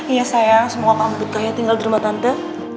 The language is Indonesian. iya sayang semoga kamu buta kaya tinggal di rumah tante